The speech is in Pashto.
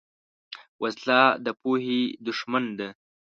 وسله د پوهې دښمن ده